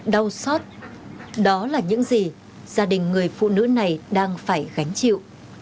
đau xót đó là những gì gia đình người phụ nữ này đang phải gánh chịu